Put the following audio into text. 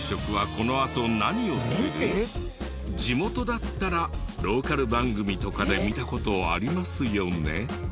地元だったらローカル番組とかで見た事ありますよね？